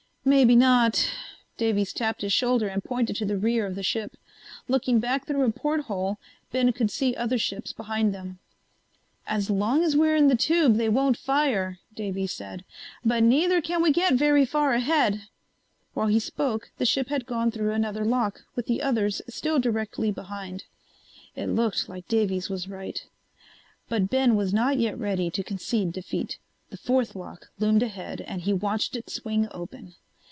"Maybe not." Davies tapped his shoulder and pointed to the rear of the ship. Looking back through a porthole, Ben could see other ships behind them. "As long as we're in the tube they won't fire," Davies said. "But neither can we get very far ahead!" While he spoke the ship had gone through another lock with the others still directly behind. It looked like Davies was right. But Ben was not yet ready to concede defeat. The fourth lock loomed ahead and he watched it swing open.